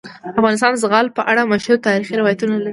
افغانستان د زغال په اړه مشهور تاریخی روایتونه لري.